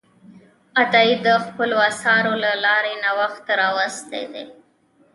عطایي د خپلو اثارو له لارې نوښت راوستی دی.